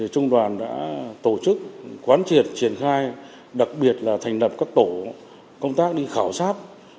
trung đoàn đã tổ chức quán triệt triển khai đặc biệt là thành lập các tổ công tác đi khảo sát